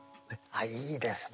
いいですね。